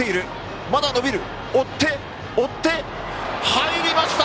入りました！